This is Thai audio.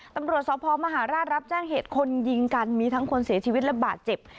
ตำรวจสพมหาราชรับแจ้งเหตุคนยิงกันมีทั้งคนเสียชีวิตและบาดเจ็บ